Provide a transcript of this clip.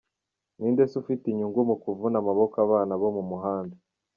Ninde se ufite inyungu mu kuvuna amaboko abana bo mu muhanda?